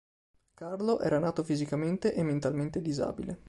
Carlo era nato fisicamente e mentalmente disabile.